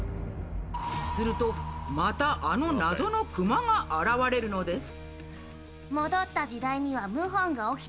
すると、またあの謎のクマが現れるのです。